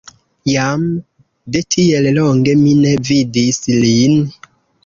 Jam de tiel longe mi ne vidis lin.